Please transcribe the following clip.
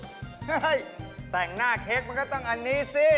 เฮ้ยแต่งหน้าเค้กมันก็ต้องอันนี้สิ